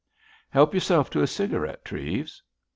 "Help yourself to a cigarette, Treves."